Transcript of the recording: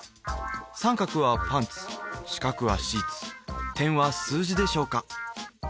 三角はパンツ四角はシーツ点は数字でしょうか？